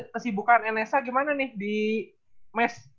kesibukan nsa gimana nih di mes